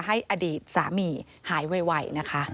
อดีตสามีหายไวนะคะ